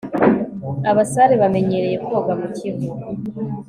abasare bamenyereye koga mukivu